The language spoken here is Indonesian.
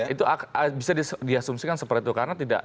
itu bisa di asumsikan seperti itu